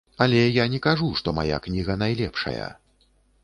Але я не кажу, што мая кніга найлепшая.